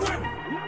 mama sehat selalu